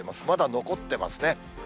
まだ残ってますね。